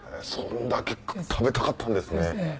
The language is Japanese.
そんだけ食べたかったんですね。